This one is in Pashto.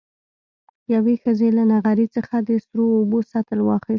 يوې ښځې له نغري څخه د سرو اوبو سطل واخېست.